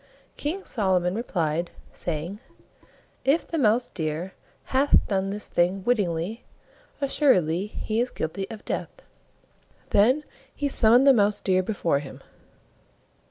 King Solomon replied, saying, "If the Mouse deer hath done this thing wittingly, assuredly he is guilty of death." Then he summoned the Mouse deer before him.